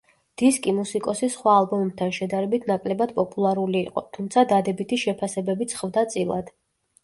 დისკი მუსიკოსის სხვა ალბომებთან შედარებით ნაკლებად პოპულარული იყო, თუმცა დადებითი შეფასებებიც ხვდა წილად.